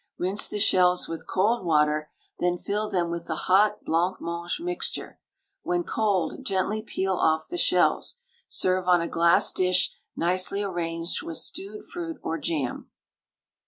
Rinse the shells with cold water, then fill them with the hot blancmange mixture. When cold gently peel off the shells. Serve on a glass dish nicely arranged with stewed fruit or jam.